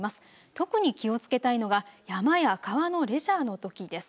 特に気をつけたいのが山や川のレジャーのときです。